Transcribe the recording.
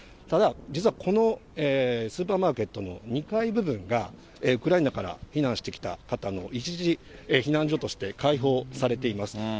ただ実はこのスーパーマーケットの２階部分が、ウクライナから避難してきた方の一時避難所として、開放されています。